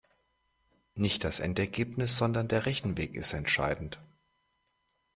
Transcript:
Nicht das Endergebnis, sondern der Rechenweg ist entscheidend.